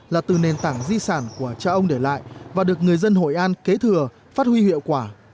là từ nền tảng di sản của cha ông để lại và được người dân hội an kế thừa phát huy hiệu quả